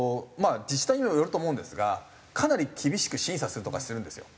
自治体にもよると思うんですがかなり厳しく審査するとこはするんですよ。